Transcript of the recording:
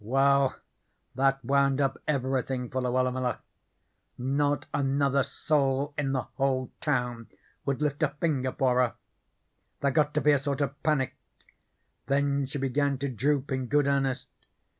"Well, that wound up everything for Luella Miller. Not another soul in the whole town would lift a finger for her. There got to be a sort of panic. Then she began to droop in good earnest.